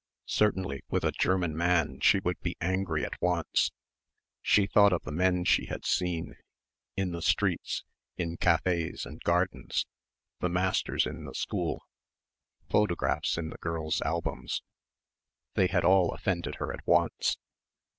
Certainly with a German man she would be angry at once. She thought of the men she had seen in the streets, in cafés and gardens, the masters in the school, photographs in the girls' albums. They had all offended her at once.